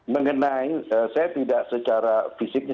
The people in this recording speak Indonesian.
mengenai saya tidak secara fisiknya